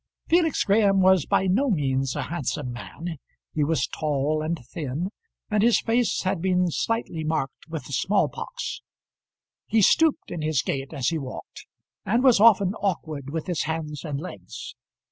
Felix Graham was by no means a handsome man. He was tall and thin, and his face had been slightly marked with the small pox. He stooped in his gait as he walked, and was often awkward with his hands and legs.